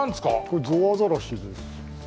これゾウアザラシです。